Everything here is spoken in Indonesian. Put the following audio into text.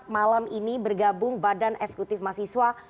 malam ini bergabung badan eksekutif mahasiswa